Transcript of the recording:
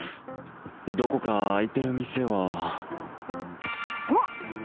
どこか開いてる店はおっ！